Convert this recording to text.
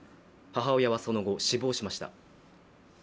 母親はその後、死亡しました。